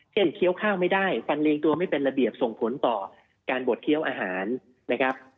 เคี้ยวข้าวไม่ได้ฟันเรียงตัวไม่เป็นระเบียบส่งผลต่อการบดเคี้ยวอาหารนะครับ